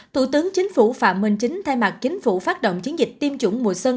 thủ tướng chính phủ phạm minh chính thay mặt chính phủ phát động chiến dịch tiêm chủng mùa xuân